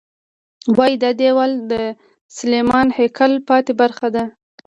وایي دا دیوال د سلیماني هیکل پاتې برخه ده.